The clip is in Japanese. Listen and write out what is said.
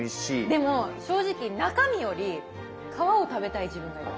でも正直中身より皮を食べたい自分がいます。